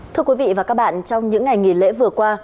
thưa quý vị và các bạn trong những ngày nghỉ lễ vừa qua